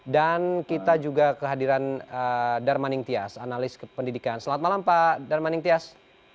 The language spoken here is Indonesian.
dan kita juga kehadiran darmaning tias analis kependidikan selamat malam pak darmaning tias